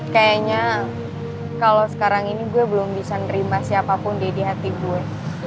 kayaknya kalau sekarang ini gue belum bisa nerima siapapun di hati gue